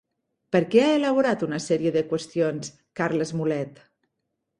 Per a què ha elaborat una sèrie de qüestions Carles Mulet?